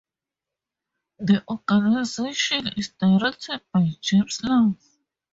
The organization is directed by James Love.